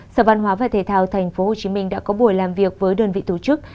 sở văn hóa và thể thao tp hcm đã có buổi làm việc với đơn vị tổ chức